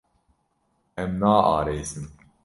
Em naarêsin.